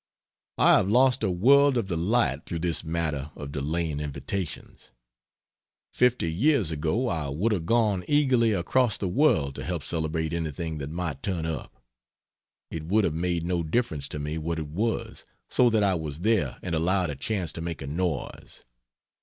I have lost a world of delight through this matter of delaying invitations. Fifty years ago I would have gone eagerly across the world to help celebrate anything that might turn up. IT would have made no difference to me what it was, so that I was there and allowed a chance to make a noise.